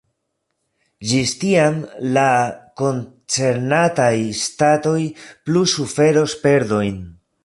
Ĝis tiam la koncernataj ŝtatoj plu suferos perdojn.